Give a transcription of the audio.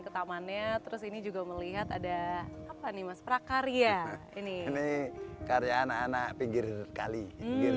ke tamannya terus ini juga melihat ada apa nih mas prakarya ini karyana anak pinggir kali diri